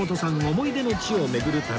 思い出の地を巡る旅